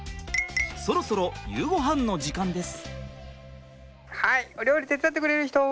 そろそろ夕ごはんの時間です。